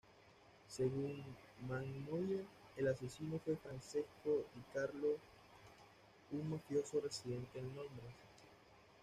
Según Mannoia el asesino fue Francesco di Carlo, un mafioso residente en Londres.